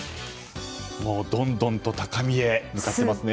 どんどんと高みへ向かっていますね。